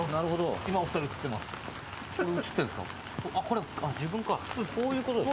今、お二人が映ってます。